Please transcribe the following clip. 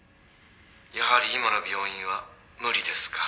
「やはり今の病院は無理ですか？」